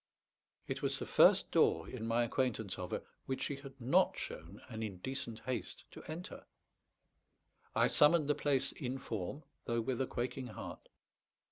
It was the first door, in my acquaintance of her, which she had not shown an indecent haste to enter. I summoned the place in form, though with a quaking heart.